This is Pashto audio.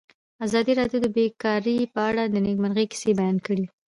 ازادي راډیو د بیکاري په اړه د نېکمرغۍ کیسې بیان کړې.